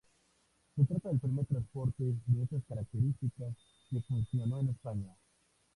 Se trata del primer transporte de estas características que funcionó en España.